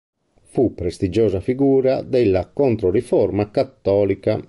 Fu prestigiosa figura della Controriforma Cattolica.